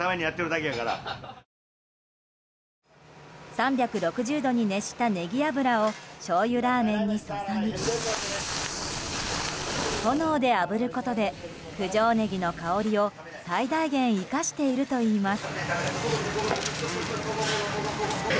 ３６０度に熱したネギ油をしょうゆラーメンに注ぎ炎であぶることで九条ネギの香りを最大限生かしているといいます。